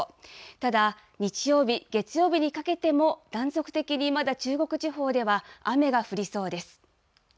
ただ、日曜日、月曜日にかけても、断続的にまだ中国地方では雨が降りそうです。